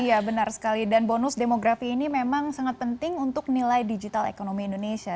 iya benar sekali dan bonus demografi ini memang sangat penting untuk nilai digital ekonomi indonesia